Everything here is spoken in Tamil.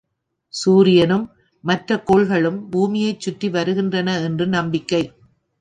சூரியனும், மற்ற கோள்களும் பூமியைச்சுற்றி வருகின்றன என்று நம்பிக்கை.